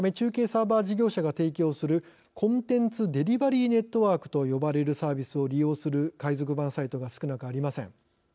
サーバー事業者が提供するコンテンツデリバリーネットワークと呼ばれるサービスを利用する海賊版サイトが少なくありません。